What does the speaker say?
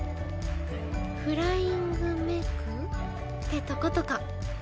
フライングめく？ってとことか。